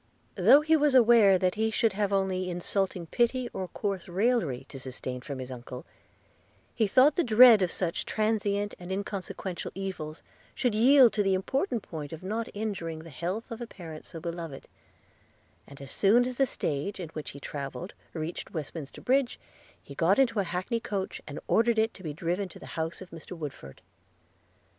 Though he was aware that he should have only insulting pity or coarse raillery to sustain from his uncle, he thought the dread of such transient and inconsequential evils, should yield to the important point of not injuring the health of a parent so beloved; and as soon as the stage in which he travelled reached Westminster Bridge, he got into an hackney coach, and ordered it to be driven to the house of Mr. Woodford.